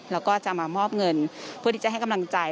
แล้วก็จะมามอบเงินเพื่อที่จะให้กำลังใจ